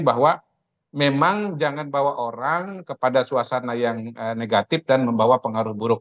bahwa memang jangan bawa orang kepada suasana yang negatif dan membawa pengaruh buruk